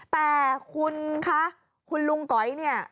แต่คุณคะคุณลุงก๋อยเนี่ย